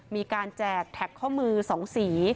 แจกแท็กข้อมือ๒สี